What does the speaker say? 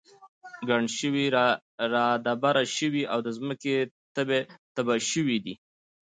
ګڼ شوي را دبره شوي او د ځمکې تبی شوي دي.